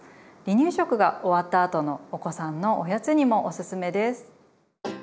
離乳食が終わったあとのお子さんのおやつにもおすすめです。